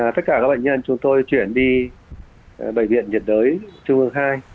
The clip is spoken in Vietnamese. tất cả các bệnh nhân chúng tôi chuyển đi bệnh viện nhiệt đới trung ương hai